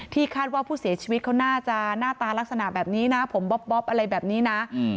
คาดว่าผู้เสียชีวิตเขาน่าจะหน้าตาลักษณะแบบนี้นะผมบ๊อบอะไรแบบนี้นะ